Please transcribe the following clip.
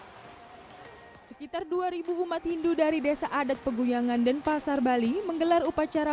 hai sekitar dua ribu umat hindu dari desa adat peguyangan dan pasar bali menggelar upacara